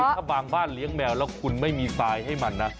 ถ้าบางบ้านเลี้ยงแมวแล้วคุณไม่มีทรายให้มันนะ